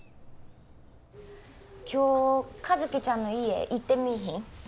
今日和希ちゃんの家行ってみいひん？